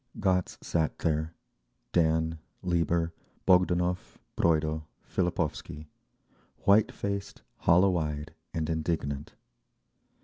Gotz sat there, Dan, Lieber, Bogdanov, Broido, Fillipovsky,—white faced, hollow eyed and indignant.